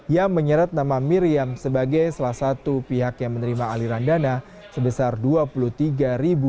yang menyeret nama miriam sebagai salah satu pihak yang menerima aliran dana sebesar rp dua puluh tiga